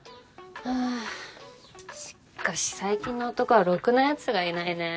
はぁしかし最近の男はろくなヤツがいないね。